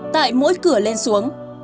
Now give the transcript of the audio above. tại mỗi cửa lên xuống